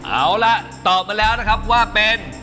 เอาละตอบมาแล้วว่าเป็น